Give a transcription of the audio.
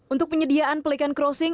untuk penyediaan pelican crossing